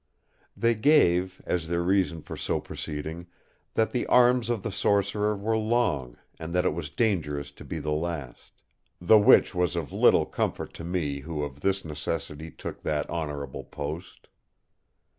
They gave, as their reason for so proceeding, that the arms of the Sorcerer were long, and that it was dangerous to be the last. The which was of little comfort to me who of this necessity took that honourable post.